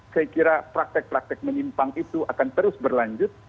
saya kira praktek praktek menyimpang itu akan terus berlanjut